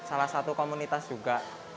salah satu komunitas juga